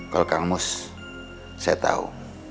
kalau kang mus saya tahu